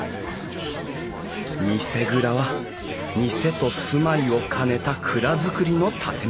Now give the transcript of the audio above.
見世蔵は店と住まいを兼ねた蔵造りの建物。